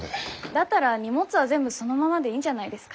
だったら荷物は全部そのままでいいんじゃないですか？